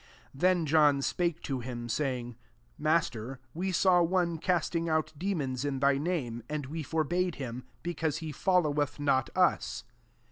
'*, 38 Then John spake to him, saying, <* Master, we saw one casting out demons in thy name, and we forbade him. \J>ecau8e he/olloweth not m«.''